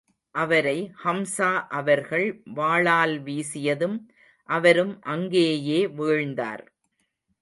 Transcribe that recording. அவரை ஹம்ஸா அவர்கள் வாளால் வீசியதும், அவரும் அங்கேயே வீழ்ந்தார்.